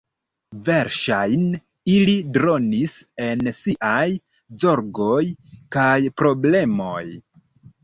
Verŝajne ili dronis en siaj zorgoj kaj problemoj.